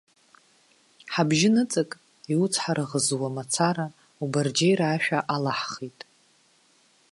Ҳабжьы ныҵак, иуцҳарӷызуа мацара, убарџьеира ашәа алаҳхит.